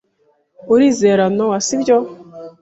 Urizera Nowa, sibyo?